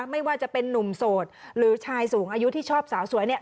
ไม่ว่าจะเป็นนุ่มโสดหรือชายสูงอายุที่ชอบสาวสวยเนี่ย